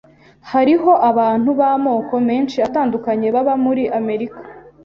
Hariho abantu b'amoko menshi atandukanye baba muri Amerika.